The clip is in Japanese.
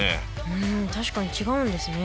うん確かに違うんですね。